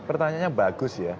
pertanyaannya bagus ya